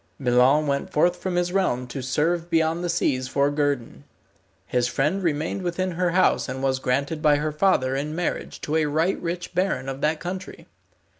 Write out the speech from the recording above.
Milon went forth from his realm to serve beyond the seas for guerdon. His friend remained within her house and was granted by her father in marriage to a right rich baron of that country.